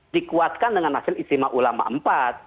dikuatkan dengan hasil istimewa ulama empat